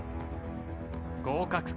合格か？